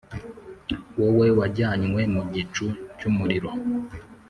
wowe wajyanywe mu gicu cy’umuriro,